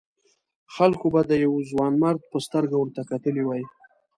خلکو به د یوه ځوانمرد په سترګه ورته کتلي وي.